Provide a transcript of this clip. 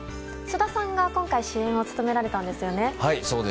菅田さんが今回主演を務められたんですよね。